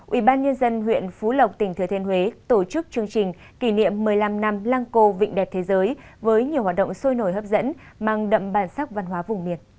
ủy ban nhân dân huyện phú lộc tỉnh thừa thiên huế tổ chức chương trình kỷ niệm một mươi năm năm lăng cô vịnh đẹp thế giới với nhiều hoạt động sôi nổi hấp dẫn mang đậm bản sắc văn hóa vùng miệt